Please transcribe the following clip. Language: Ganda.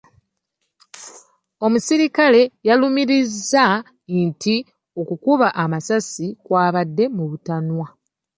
Omusirikale yalumirizza nti okukuba amasasi kwabadde kwa mu butanwa.